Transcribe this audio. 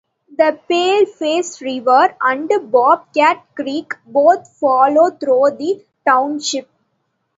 The Paleface River and Bobcat Creek both flow through the township.